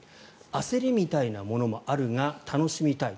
焦りみたいなものもあるが楽しみたい。